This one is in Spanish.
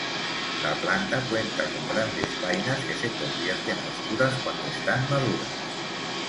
La planta cuenta con grandes vainas que se convierten a oscuras cuando están maduras.